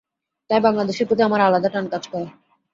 তাই বাংলাদেশের প্রতি আমার আলাদা টান কাজ করে।